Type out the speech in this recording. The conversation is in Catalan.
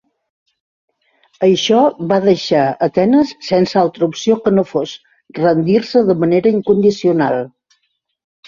Això va deixar Atenes sense altra opció que no fos rendir-se de manera incondicional.